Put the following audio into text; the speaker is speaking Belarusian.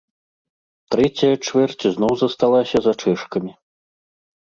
Трэцяя чвэрць зноў засталася за чэшкамі.